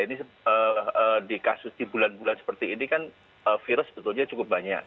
ini di kasus di bulan bulan seperti ini kan virus sebetulnya cukup banyak